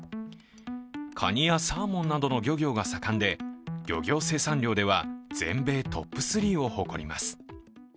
カニやサーモンなどの漁業が盛んで、漁業生産量では全米トップ３を誇ります。